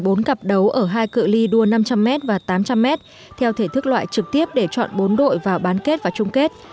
bốn cặp đấu ở hai cự li đua năm trăm linh m và tám trăm linh m theo thể thức loại trực tiếp để chọn bốn đội vào bán kết và chung kết